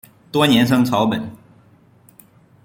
多年生草本。